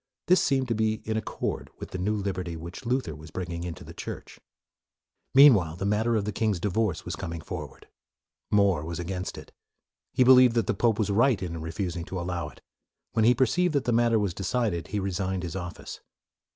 This seemed to be in accord 42 MORE with the new liberty which Luther was bringing into the Church. Meanwhile, the matter of the king's divorce was coming forward. More was against it, He believed that the pope was right in refusing to allow it. When he perceived that the matter was decided, he resigned his office.